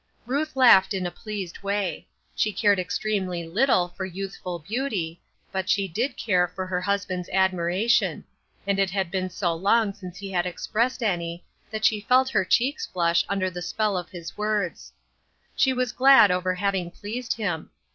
Ruth laughed in a pleased way. She cared ex tremely little for youthful beauty, but she did care for her husband's admiration ; and it had been so g6 SLIPPERY GROUND. long since he had expressed any that she felt her cheeks flush under the spell of his words. She was glad over having pleased him.